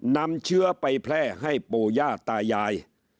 นำเชื้อไปแพร่ให้ปู่ย่าตายาย